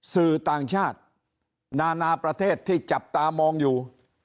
สื่อต่างชาตินานาประเทศที่จับตามองอยู่